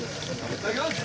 いただきます。